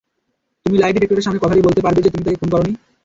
তুমি লাই ডিটেক্টরের সামনে কথাটি বলতে পারবে যে, তুমি তাকে খুন করোনি?